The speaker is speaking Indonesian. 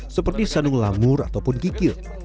seperti sandung lamur atau gigil